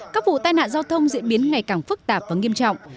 các vụ tai nạn giao thông diễn biến ngày càng phức tạp và nghiêm trọng